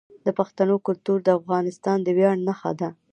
د پښتنو کلتور د افغانستان د ویاړ نښه ده.